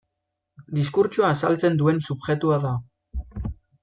Diskurtsoa azaltzen duen subjektua da.